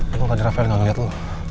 untung tadi rafael gak ngeliat lo